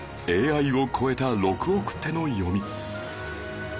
ＡＩ を超えた “６ 億手”の読み